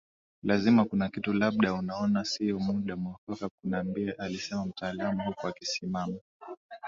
lazima kuna kitu labda unaona siyo muda muafaka kunambia alisema mtaalamu huku akisimama